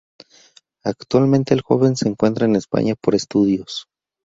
Actualmente el joven se encuentra en España por estudios.